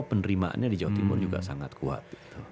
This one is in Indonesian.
penerimaannya di jawa timur juga sangat kuat